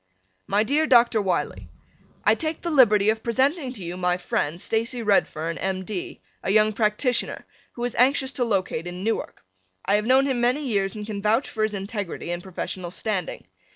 My dear Dr. Wiley: I take the liberty of presenting to you my friend, Stacy Redfern, M. D., a young practitioner, who is anxious to locate in Newark. I have known him many years and can vouch for his integrity and professional standing.